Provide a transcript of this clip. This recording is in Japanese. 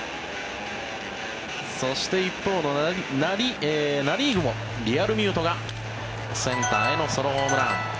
そして一方のナ・リーグもリアルミュートがセンターへのソロホームラン。